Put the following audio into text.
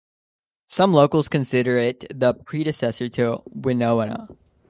Some locals consider it the predecessor to Winona.